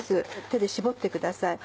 手で絞ってください。